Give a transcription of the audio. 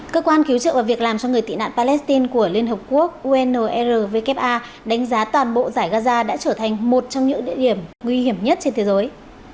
cơ quan cứu trợ và việc làm cho người tị nạn palestine của liên hợp quốc unr wa đánh giá toàn bộ giải gaza đã trở thành một trong những địa điểm nguy hiểm nhất trên thế giới